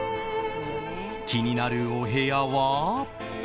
気になるお部屋は。